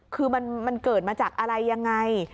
คือมันเกิดมาจากอะไรยังไง